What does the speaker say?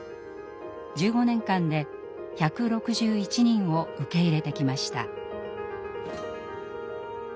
１５年間で１６１人を受け入れてきました。